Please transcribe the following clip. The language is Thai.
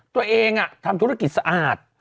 ตัวเองทำธุรกิจสะอาด